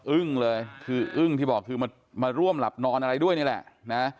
เลยคืออึ้งที่บอกคือมาร่วมหลับนอนอะไรด้วยนี่แหละนะ